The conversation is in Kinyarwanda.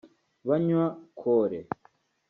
banywa kore